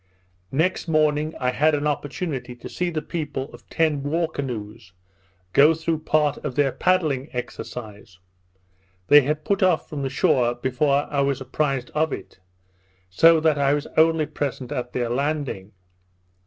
Next morning I had an opportunity to see the people of ten war canoes go through part of their paddling exercise. They had put off from the shore before I was apprised of it; so that I was only present at their landing.